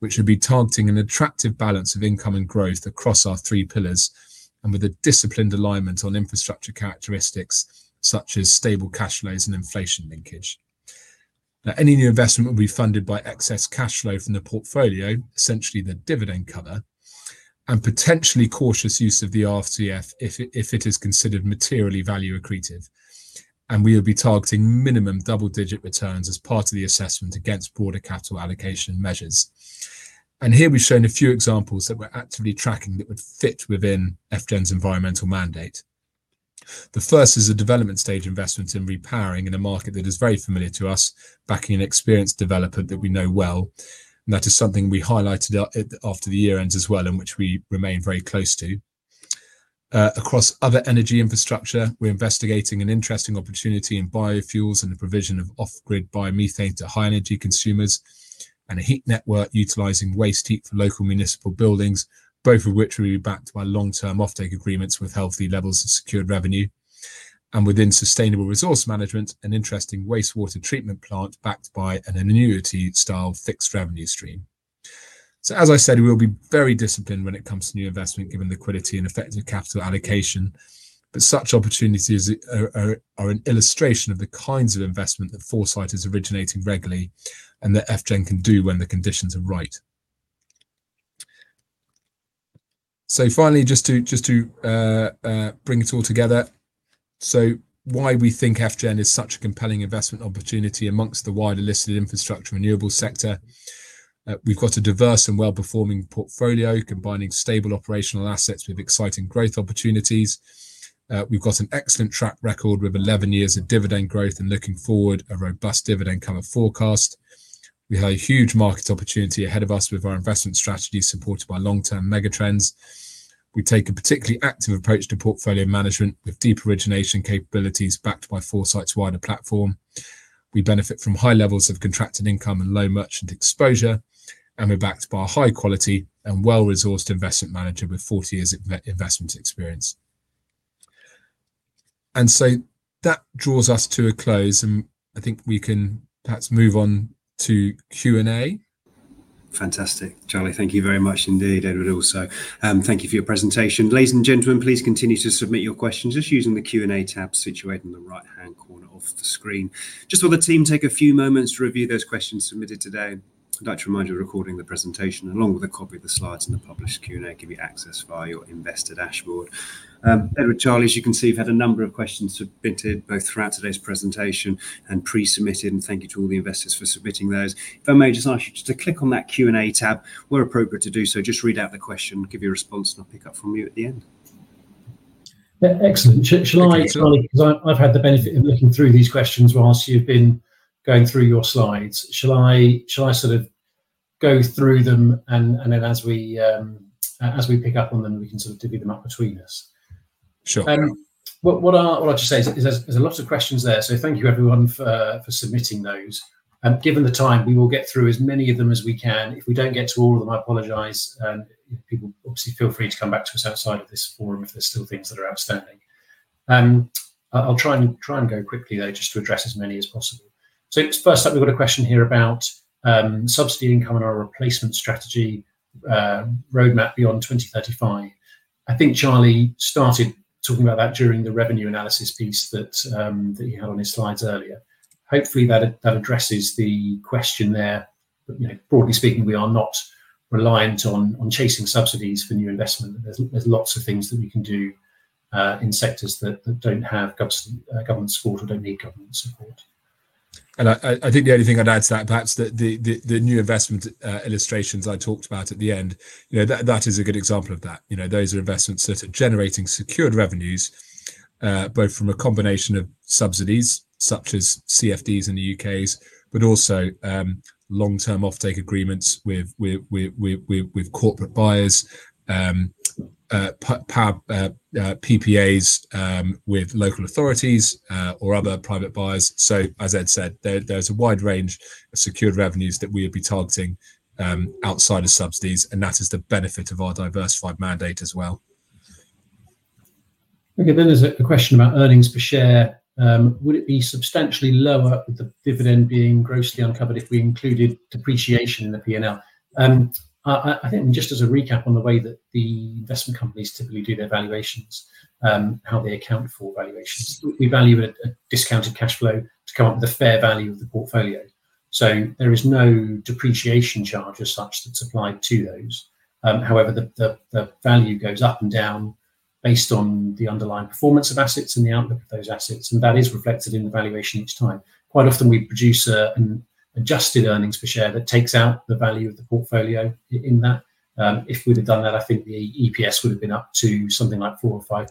which would be targeting an attractive balance of income and growth across our three pillars and with a disciplined alignment on infrastructure characteristics such as stable cash flows and inflation linkage. Any new investment will be funded by excess cash flow from the portfolio, essentially the dividend cover, and potentially cautious use of the RCF if it is considered materially value accretive. We will be targeting minimum double-digit returns as part of the assessment against broader capital allocation measures. Here we have shown a few examples that we are actively tracking that would fit within FGEN's environmental mandate. The first is a development stage investment in repowering in a market that is very familiar to us, backing an experienced developer that we know well. That is something we highlighted after the year-end as well, in which we remain very close to. Across other energy infrastructure, we are investigating an interesting opportunity in biofuels and the provision of off-grid biomethane to high-energy consumers and a heat network utilizing waste heat for local municipal buildings, both of which will be backed by long-term offtake agreements with healthy levels of secured revenue. Within sustainable resource management, an interesting wastewater treatment plant backed by an annuity-style fixed revenue stream. As I said, we will be very disciplined when it comes to new investment, given liquidity and effective capital allocation. Such opportunities are an illustration of the kinds of investment that Foresight is originating regularly and that FGEN can do when the conditions are right. Finally, just to bring it all together, why we think FGEN is such a compelling investment opportunity amongst the wider listed infrastructure renewables sector. We have a diverse and well-performing portfolio combining stable operational assets with exciting growth opportunities. We have an excellent track record with 11 years of dividend growth and looking forward a robust dividend cover forecast. We have a huge market opportunity ahead of us with our investment strategy supported by long-term megatrends. We take a particularly active approach to portfolio management with deep origination capabilities backed by Foresight's wider platform. We benefit from high levels of contracted income and low merchant exposure, and we are backed by a high-quality and well-resourced investment manager with 40 years of investment experience. That draws us to a close, and I think we can perhaps move on to Q&A. Fantastic. Charlie, thank you very much indeed, Ed also. Thank you for your presentation. Ladies and gentlemen, please continue to submit your questions just using the Q&A tab situated in the right-hand corner of the screen. Just for the team, take a few moments to review those questions submitted today. I'd like to remind you we're recording the presentation along with a copy of the slides and the published Q&A to give you access via your investor dashboard. Ed, Charlie, as you can see, we've had a number of questions submitted both throughout today's presentation and pre-submitted. Thank you to all the investors for submitting those. If I may just ask you just to click on that Q&A tab where appropriate to do so. Just read out the question, give your response, and I'll pick up from you at the end. Excellent. Shall I, Charlie, because I've had the benefit of looking through these questions whilst you've been going through your slides, shall I sort of go through them and then as we pick up on them, we can sort of divvy them up between us? Sure. What I'll just say is there's a lot of questions there. Thank you, everyone, for submitting those. Given the time, we will get through as many of them as we can. If we don't get to all of them, I apologize. People, obviously, feel free to come back to us outside of this forum if there's still things that are outstanding. I'll try and go quickly, though, just to address as many as possible. First up, we've got a question here about subsidy income and our replacement strategy roadmap beyond 2035. I think Charlie started talking about that during the revenue analysis piece that he had on his slides earlier. Hopefully, that addresses the question there. Broadly speaking, we are not reliant on chasing subsidies for new investment. There are lots of things that we can do in sectors that do not have government support or do not need government support. I think the only thing I would add to that, perhaps, is that the new investment illustrations I talked about at the end, that is a good example of that. Those are investments that are generating secured revenues, both from a combination of subsidies such as CFDs in the U.K., but also long-term offtake agreements with corporate buyers, PV, PPAs with local authorities or other private buyers. As Ed said, there is a wide range of secured revenues that we would be targeting outside of subsidies. That is the benefit of our diversified mandate as well. Okay. There is a question about earnings per share. Would it be substantially lower with the dividend being grossly uncovered if we included depreciation in the P&L? I think just as a recap on the way that the investment companies typically do their valuations, how they account for valuations. We value a discounted cash flow to come up with a fair value of the portfolio. There is no depreciation charge as such that is applied to those. However, the value goes up and down based on the underlying performance of assets and the outlook of those assets. That is reflected in the valuation each time. Quite often, we produce an adjusted earnings per share that takes out the value of the portfolio in that. If we'd have done that, I think the EPS would have been up to something like 4 or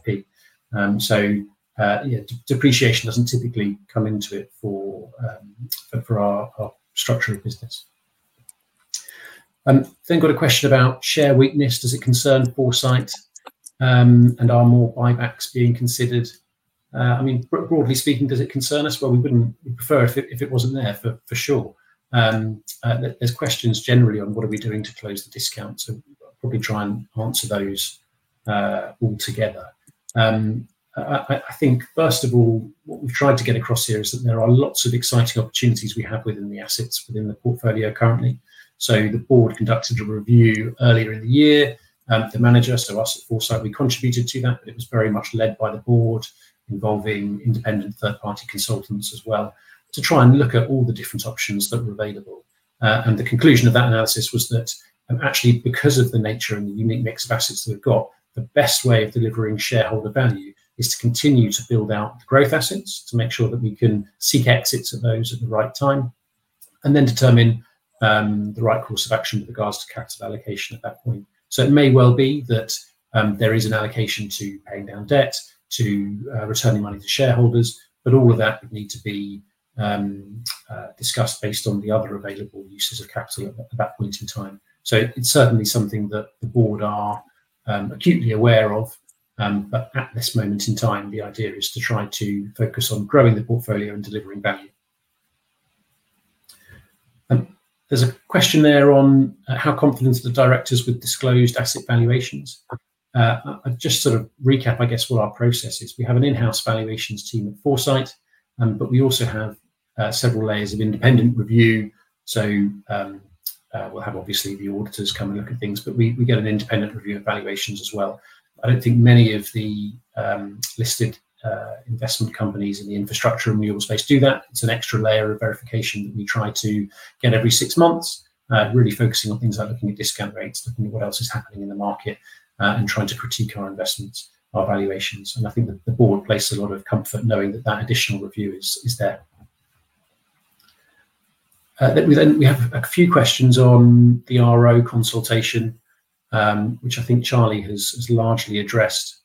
5p. Depreciation does not typically come into it for our structure of business. Got a question about share weakness. Does it concern Foresight? Are more buybacks being considered? I mean, broadly speaking, does it concern us? We would not prefer if it was there, for sure. There are questions generally on what are we doing to close the discount. I will probably try and answer those all together. First of all, what we have tried to get across here is that there are lots of exciting opportunities we have within the assets within the portfolio currently. The board conducted a review earlier in the year. The manager, so us at Foresight, we contributed to that, but it was very much led by the board involving independent third-party consultants as well to try and look at all the different options that were available. The conclusion of that analysis was that actually, because of the nature and the unique mix of assets we've got, the best way of delivering shareholder value is to continue to build out the growth assets to make sure that we can seek exits at those at the right time and then determine the right course of action with regards to capital allocation at that point. It may well be that there is an allocation to paying down debt, to returning money to shareholders, but all of that would need to be discussed based on the other available uses of capital at that point in time. It is certainly something that the board are acutely aware of. At this moment in time, the idea is to try to focus on growing the portfolio and delivering value. There is a question there on how confident the directors would disclose asset valuations. Just sort of recap, I guess, what our process is. We have an in-house valuations team at Foresight, but we also have several layers of independent review. We will have, obviously, the auditors come and look at things, but we get an independent review of valuations as well. I do not think many of the listed investment companies in the infrastructure and renewables space do that. It is an extra layer of verification that we try to get every six months, really focusing on things like looking at discount rates, looking at what else is happening in the market, and trying to critique our investments, our valuations. I think the board places a lot of comfort knowing that that additional review is there. We have a few questions on the RO consultation, which I think Charlie has largely addressed.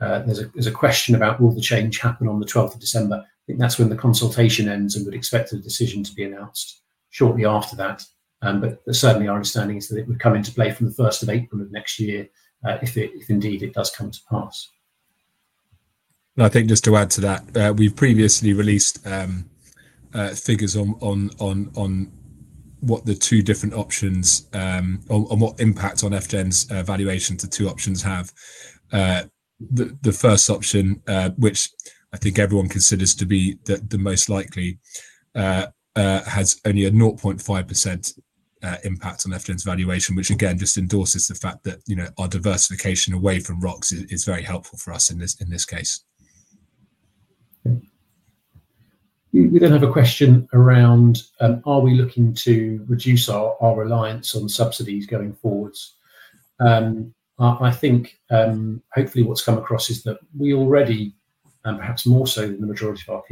There is a question about will the change happen on the 12th of December. I think that is when the consultation ends and we would expect a decision to be announced shortly after that. Certainly, our understanding is that it would come into play from the 1st of April of next year if indeed it does come to pass. I think just to add to that, we have previously released figures on what the two different options on what impact on FGEN's valuations the two options have. The first option, which I think everyone considers to be the most likely, has only a 0.5% impact on FGEN's valuation, which, again, just endorses the fact that our diversification away from ROCs is very helpful for us in this case. We then have a question around, are we looking to reduce our reliance on subsidies going forwards? I think hopefully what's come across is that we already, and perhaps more so than the majority of our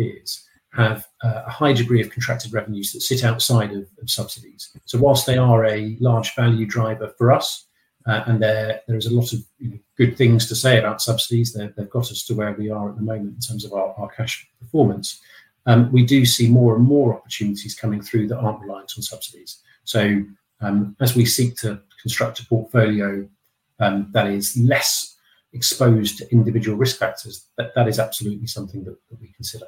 peers, have a high degree of contracted revenues that sit outside of subsidies. While they are a large value driver for us, and there is a lot of good things to say about subsidies, they've got us to where we are at the moment in terms of our cash performance, we do see more and more opportunities coming through that aren't reliant on subsidies. As we seek to construct a portfolio that is less exposed to individual risk factors, that is absolutely something that we consider.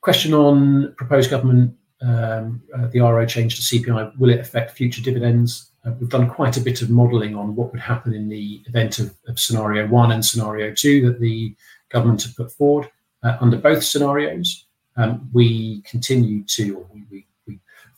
Question on proposed government, the RO change to CPI, will it affect future dividends? We've done quite a bit of modeling on what would happen in the event of scenario one and scenario two that the government have put forward. Under both scenarios, we continue to, or we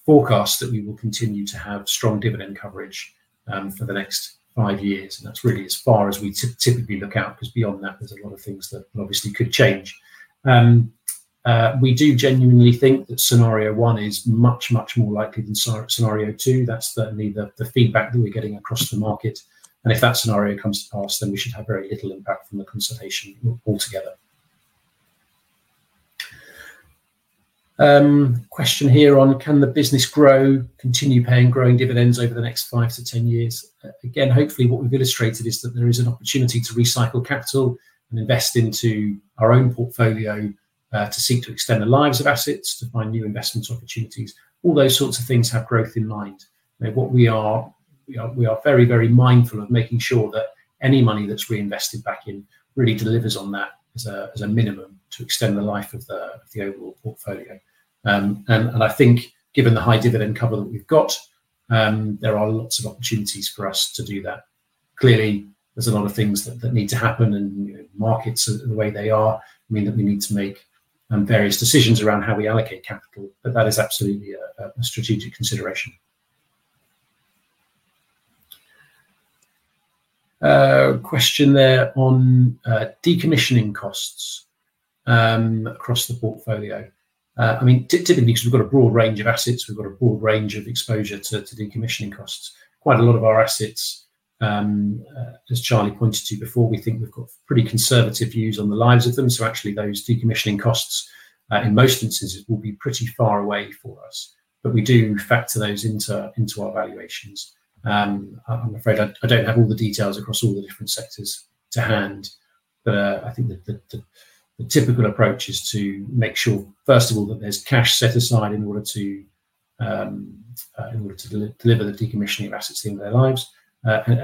forecast that we will continue to have strong dividend coverage for the next five years. That is really as far as we typically look out because beyond that, there are a lot of things that obviously could change. We do genuinely think that scenario one is much, much more likely than scenario two. That is certainly the feedback that we're getting across the market. If that scenario comes to pass, we should have very little impact from the consultation altogether. Question here on, can the business grow, continue paying growing dividends over the next 5-10 years? Again, hopefully what we've illustrated is that there is an opportunity to recycle capital and invest into our own portfolio to seek to extend the lives of assets, to find new investment opportunities. All those sorts of things have growth in mind. What we are, we are very, very mindful of making sure that any money that's reinvested back in really delivers on that as a minimum to extend the life of the overall portfolio. I think given the high dividend cover that we've got, there are lots of opportunities for us to do that. Clearly, there's a lot of things that need to happen, and markets are the way they are. I mean, that we need to make various decisions around how we allocate capital, but that is absolutely a strategic consideration. Question there on decommissioning costs across the portfolio. I mean, typically, because we have got a broad range of assets, we have got a broad range of exposure to decommissioning costs. Quite a lot of our assets, as Charlie pointed to before, we think we have got pretty conservative views on the lives of them. Actually, those decommissioning costs in most instances will be pretty far away for us. We do factor those into our valuations. I am afraid I do not have all the details across all the different sectors to hand. I think the typical approach is to make sure, first of all, that there is cash set aside in order to deliver the decommissioning of assets in their lives.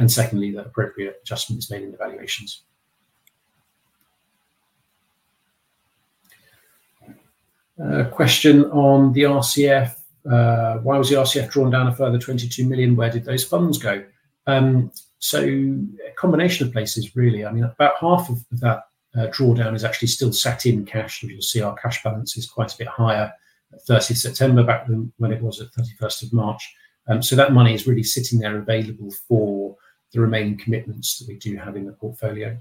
Secondly, that appropriate adjustment is made in the valuations. Question on the RCF. Why was the RCF drawn down a further 22 million? Where did those funds go? A combination of places, really. I mean, about half of that drawdown is actually still sat in cash. As you'll see, our cash balance is quite a bit higher at 30 September back than when it was at 31st of March. That money is really sitting there available for the remaining commitments that we do have in the portfolio.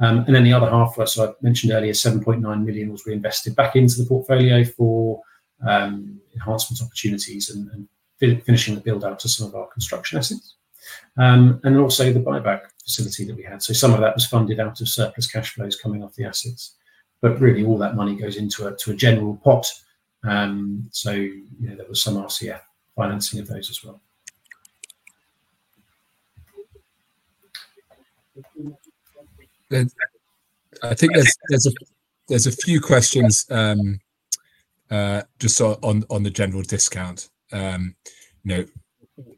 The other half, as I mentioned earlier, 7.9 million was reinvested back into the portfolio for enhancement opportunities and finishing the build-out of some of our construction assets. Also the buyback facility that we had. Some of that was funded out of surplus cash flows coming off the assets. Really, all that money goes into a general pot. There was some RCF financing of those as well. I think there's a few questions just on the general discount.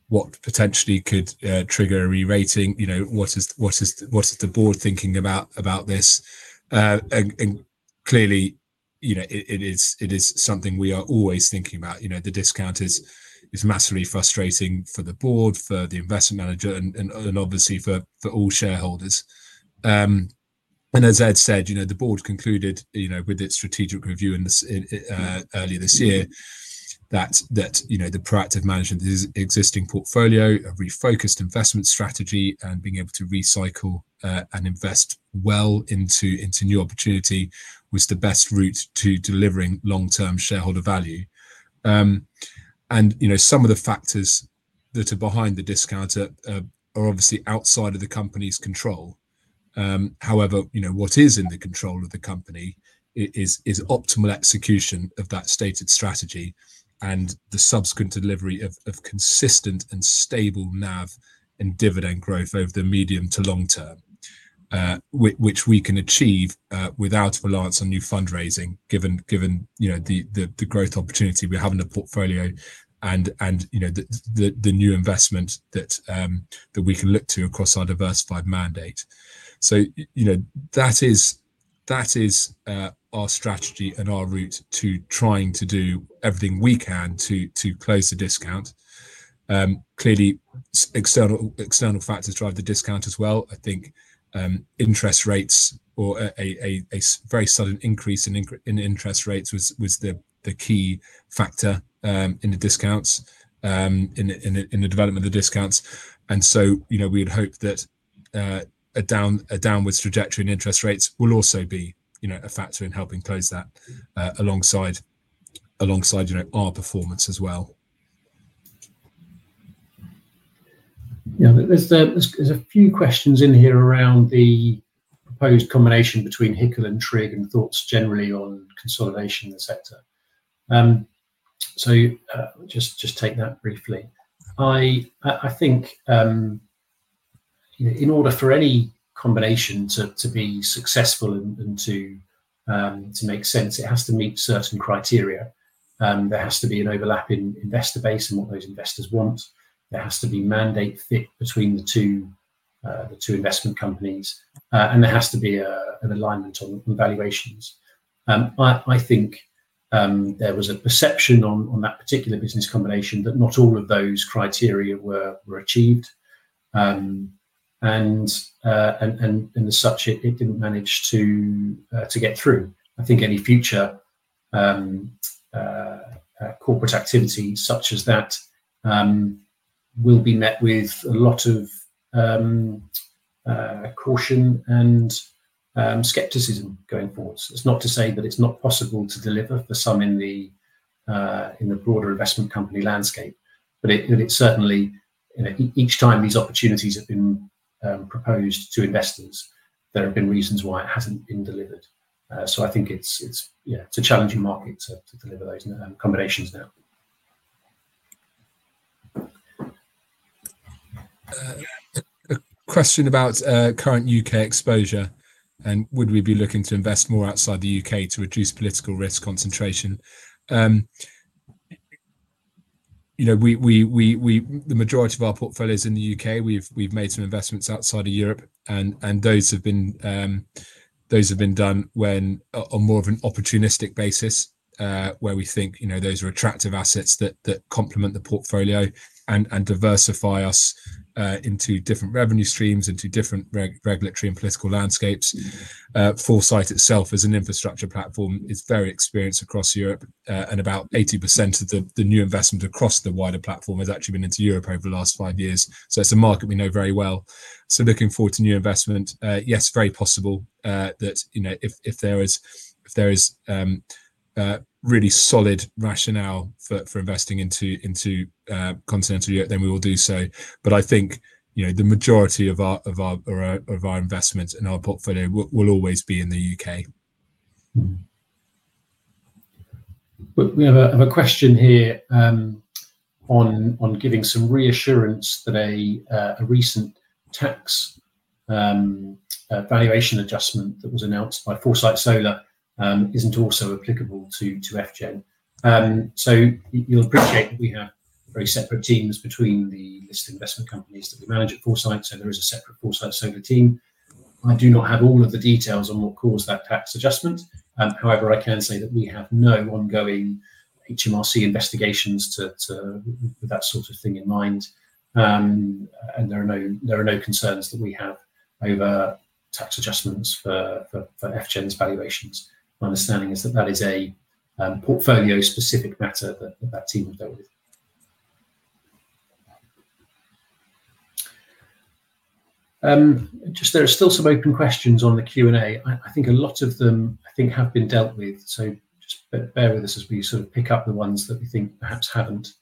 What potentially could trigger a re-rating? What is the board thinking about this? It is something we are always thinking about. The discount is massively frustrating for the board, for the investment manager, and obviously for all shareholders. As Ed said, the board concluded with its strategic review earlier this year that the proactive management of the existing portfolio, a refocused investment strategy, and being able to recycle and invest well into new opportunity was the best route to delivering long-term shareholder value. Some of the factors that are behind the discount are obviously outside of the company's control. However, what is in the control of the company is optimal execution of that stated strategy and the subsequent delivery of consistent and stable NAV and dividend growth over the medium to long term, which we can achieve without reliance on new fundraising, given the growth opportunity we have in the portfolio and the new investment that we can look to across our diversified mandate. That is our strategy and our route to trying to do everything we can to close the discount. Clearly, external factors drive the discount as well. I think interest rates or a very sudden increase in interest rates was the key factor in the discounts, in the development of the discounts. We would hope that a downward trajectory in interest rates will also be a factor in helping close that alongside our performance as well. Yeah. There are a few questions in here around the proposed combination between HICL and TRIG and thoughts generally on consolidation in the sector. Just take that briefly. I think in order for any combination to be successful and to make sense, it has to meet certain criteria. There has to be an overlapping investor base and what those investors want. There has to be mandate fit between the two investment companies. There has to be an alignment on valuations. I think there was a perception on that particular business combination that not all of those criteria were achieved. As such, it did not manage to get through. I think any future corporate activity such as that will be met with a lot of caution and skepticism going forwards. It's not to say that it's not possible to deliver for some in the broader investment company landscape, but it certainly, each time these opportunities have been proposed to investors, there have been reasons why it hasn't been delivered. I think it's a challenging market to deliver those combinations now. A question about current U.K. exposure and would we be looking to invest more outside the U.K. to reduce political risk concentration? The majority of our portfolio is in the U.K. We've made some investments outside of Europe, and those have been done on more of an opportunistic basis where we think those are attractive assets that complement the portfolio and diversify us into different revenue streams, into different regulatory and political landscapes. Foresight itself as an infrastructure platform is very experienced across Europe, and about 80% of the new investment across the wider platform has actually been into Europe over the last five years. It is a market we know very well. Looking forward to new investment, yes, very possible that if there is really solid rationale for investing into continental Europe, then we will do so. I think the majority of our investments in our portfolio will always be in the U.K. We have a question here on giving some reassurance that a recent tax valuation adjustment that was announced by Foresight Solar is not also applicable to FGEN. You will appreciate that we have very separate teams between the listed investment companies that we manage at Foresight. There is a separate Foresight Solar team. I do not have all of the details on what caused that tax adjustment. However, I can say that we have no ongoing HMRC investigations with that sort of thing in mind. There are no concerns that we have over tax adjustments for FGEN's valuations. My understanding is that that is a portfolio-specific matter that that team have dealt with. There are still some open questions on the Q&A. I think a lot of them, I think, have been dealt with. Just bear with us as we sort of pick up the ones that we think perhaps have not.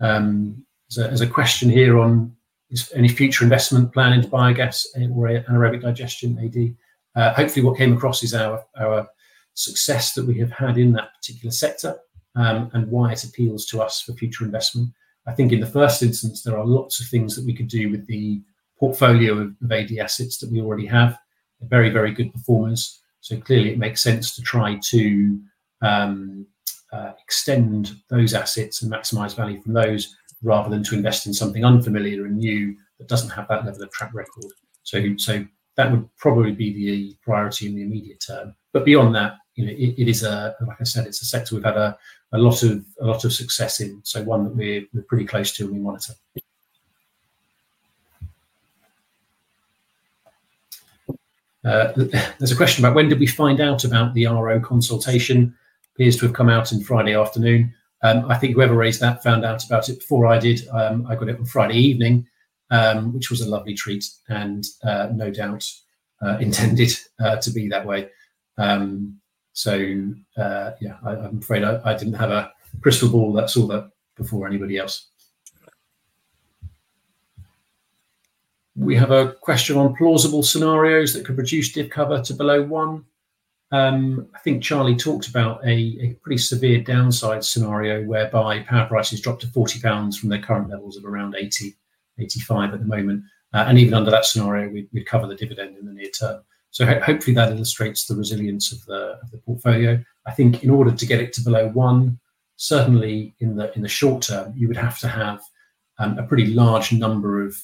There is a question here on any future investment planning to buy gas or Anaerobic Digestion, AD. Hopefully, what came across is our success that we have had in that particular sector and why it appeals to us for future investment. I think in the first instance, there are lots of things that we could do with the portfolio of AD assets that we already have. Very, very good performers. Clearly, it makes sense to try to extend those assets and maximize value from those rather than to invest in something unfamiliar and new that does not have that level of track record. That would probably be the priority in the immediate term. Beyond that, it is, like I said, a sector we have had a lot of success in. One that we are pretty close to and we monitor. There is a question about when did we find out about the RO consultation. Appears to have come out on Friday afternoon. I think whoever raised that found out about it before I did. I got it on Friday evening, which was a lovely treat and no doubt intended to be that way. Yeah, I'm afraid I didn't have a crystal ball that saw that before anybody else. We have a question on plausible scenarios that could reduce div cover to below one. I think Charlie talked about a pretty severe downside scenario whereby power prices dropped to 40 pounds from their current levels of around 80-85 at the moment. Even under that scenario, we'd cover the dividend in the near term. Hopefully, that illustrates the resilience of the portfolio. I think in order to get it to below one, certainly in the short term, you would have to have a pretty large number of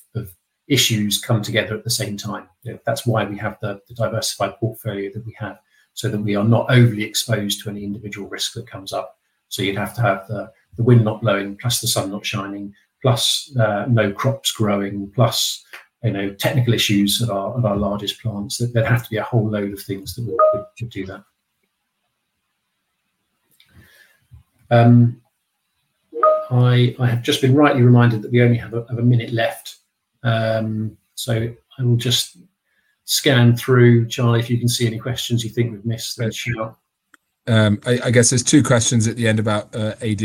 issues come together at the same time. That's why we have the diversified portfolio that we have, so that we are not overly exposed to any individual risk that comes up. You'd have to have the wind not blowing plus the sun not shining plus no crops growing plus technical issues at our largest plants. There'd have to be a whole load of things that would do that. I have just been rightly reminded that we only have a minute left. I will just scan through. Charlie, if you can see any questions you think we've missed, then shoot up. I guess there's two questions at the end about AD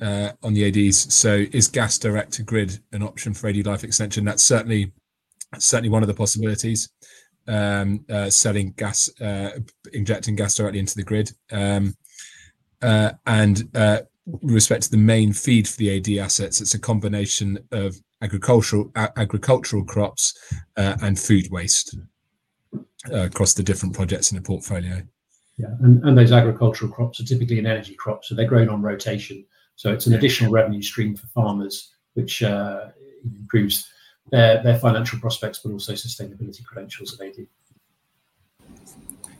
on the ADs. Is gas direct to grid an option for AD life extension? That's certainly one of the possibilities, injecting gas directly into the grid. With respect to the main feed for the AD assets, it's a combination of agricultural crops and food waste across the different projects in the portfolio. Yeah. Those agricultural crops are typically energy crops, so they're grown on rotation. It's an additional revenue stream for farmers, which improves their financial prospects, but also sustainability credentials of AD.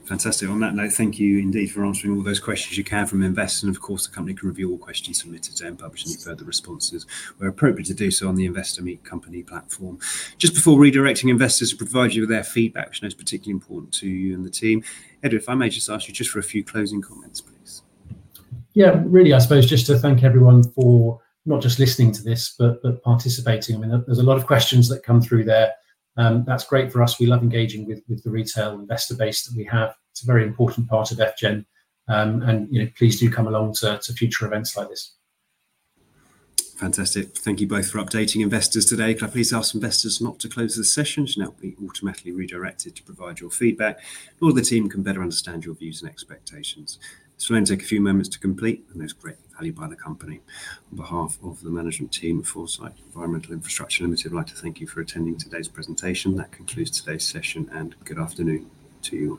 Fantastic. On that note, thank you indeed for answering all those questions you can from investor. Of course, the company can review all questions submitted to them and publish any further responses where appropriate to do so on the Investor Meet Company platform. Just before redirecting investors to provide you with their feedback, which I know is particularly important to you and the team, Ed, if I may just ask you for a few closing comments, please. Yeah. Really, I suppose just to thank everyone for not just listening to this, but participating. I mean, there's a lot of questions that come through there. That's great for us. We love engaging with the retail investor base that we have. It's a very important part of FGEN. Please do come along to future events like this. Fantastic. Thank you both for updating investors today. Could I please ask investors not to close the session? It should now be automatically redirected to provide your feedback. All the team can better understand your views and expectations. This will only take a few moments to complete, and there's great value by the company. On behalf of the management team of Foresight Environmental Infrastructure Limited, I'd like to thank you for attending today's presentation. That concludes today's session, and good afternoon to you.